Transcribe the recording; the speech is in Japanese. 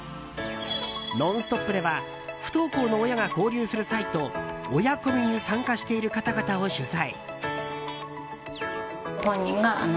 「ノンストップ！」では不登校の親が交流するサイト親コミュに参加している方々を取材。